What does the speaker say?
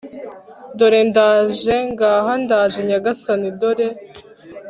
dore ndaje), ngaha ndaje nyagasani (dore